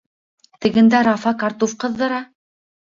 — Тегендә Рафа картуф ҡыҙҙыра.